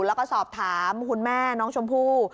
แล้วก็สอบถามคุณแม่น้องชมพู่